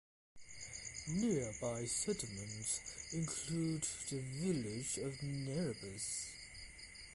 Nearby settlements include the village of Nerabus.